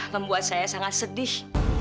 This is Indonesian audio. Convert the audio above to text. membuat saya sangat sedih